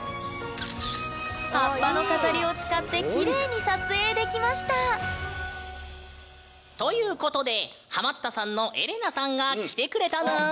葉っぱの飾りを使ってきれいに撮影できましたということでハマったさんのエレナさんが来てくれたぬん。